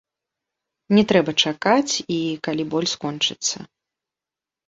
Не трэба чакаць, і калі боль скончыцца.